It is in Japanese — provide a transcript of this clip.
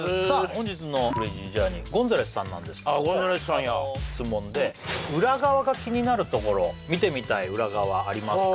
本日のクレイジージャーニーゴンザレスさんなんですけどゴンザレスさんやあの質問で裏側が気になるところ見てみたい裏側ありますか？